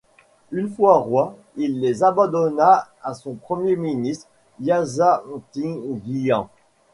Une fois roi, il les abandonna à son premier ministre Yazathingyan.